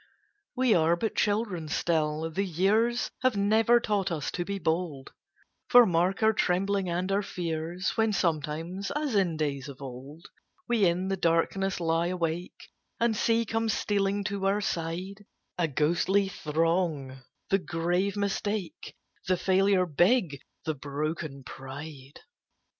We are but children still, the years Have never taught us to be bold, For mark our trembling and our fears When sometimes, as in days of old, We in the darkness lie awake, And see come stealing to our side A ghostly throng the grave Mistake, The Failure big, the broken Pride.